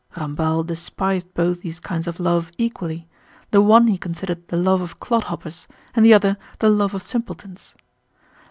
(Ramballe despised both these kinds of love equally: the one he considered the "love of clodhoppers" and the other the "love of simpletons.")